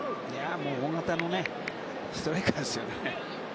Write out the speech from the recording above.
大型ストライカーですよ。